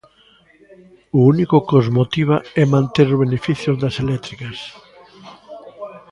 O único que os motiva é manter os beneficios das eléctricas.